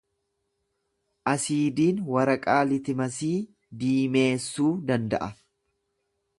Asiidiin waraqaa liitimasii diimeessuu danda’a.